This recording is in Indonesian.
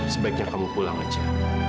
sebaiknya kamu pulang aja